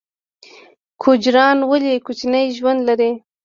ګوجران ولې کوچي ژوند لري؟